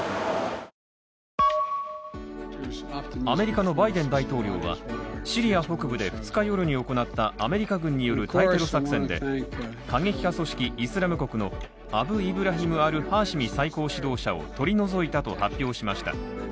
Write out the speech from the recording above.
アメリカのバイデン大統領はシリア北部で２日夜に行ったアメリカ軍による対テロ作戦で、過激派組織イスラム国のアブ・イブラヒム・アル・ハーシミ最高指導者を取り除いたと発表しました。